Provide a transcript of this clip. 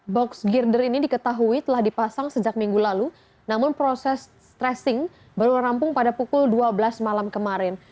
box girder ini diketahui telah dipasang sejak minggu lalu namun proses stressing baru rampung pada pukul dua belas malam kemarin